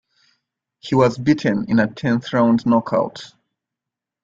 He was beaten in a tenth round knockout.